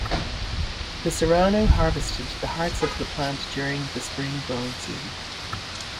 The Serrano harvested the hearts of the plant during the spring growing season.